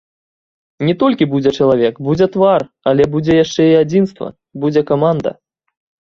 Не толькі будзе чалавек, будзе твар, але будзе яшчэ і адзінства, будзе каманда.